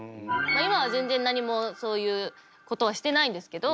今は全然何もそういうことはしてないんですけど。